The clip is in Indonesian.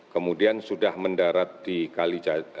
kemudian sudah mendarat di kalijaga